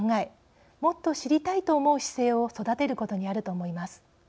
もっと知りたいと思う姿勢を育てることにあると思います。